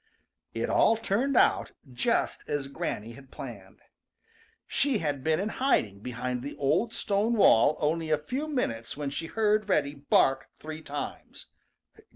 It all turned out just as Granny had planned. She had been in hiding behind the old stone wall only a few minutes when she heard Reddy bark three times.